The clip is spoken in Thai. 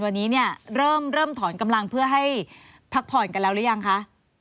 วันนี้เนี่ยเริ่มถอนกำลังเพื่อให้พักผ่อนกันแล้วหรือยังคะ